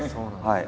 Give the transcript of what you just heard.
はい。